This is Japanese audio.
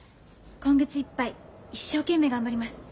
今月いっぱい一生懸命頑張ります。